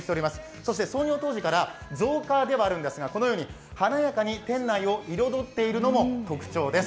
そして創業当時から造花ではあるんですが、華やかに店内を彩っているのも特徴です。